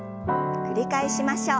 繰り返しましょう。